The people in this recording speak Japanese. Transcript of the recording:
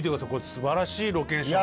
すばらしいロケーションで。